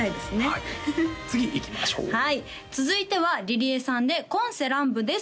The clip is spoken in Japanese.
はい次いきましょうはい続いてはＲｉＲｉＥさんで「今世乱舞」です